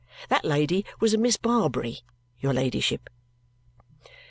That lady was a Miss Barbary, your ladyship."